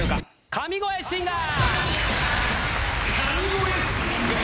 神声シンガー！